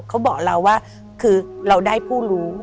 เขาบอกเราว่าคือเราได้ผู้รู้